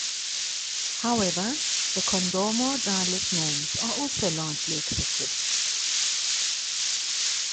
However, the Kondoma dialect norms are also largely accepted.